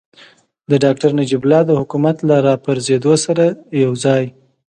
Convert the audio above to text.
د ډاکتر نجیب الله د حکومت له راپرځېدو سره یوځای.